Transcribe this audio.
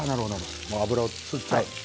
油を吸っちゃう。